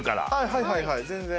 はいはいはい全然。